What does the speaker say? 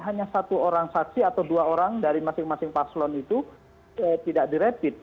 hanya satu saksi atau dua orang dari masing masing pak slon itu tidak direpit